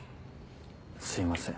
すいません。